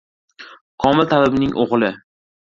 Komil tabibning o‘g‘li.